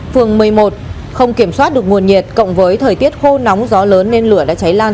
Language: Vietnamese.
phường một mươi một không kiểm soát được nguồn nhiệt cộng với thời tiết khô nóng gió lớn nên lửa đã cháy lan